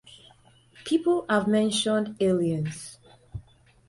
People have mentioned aliens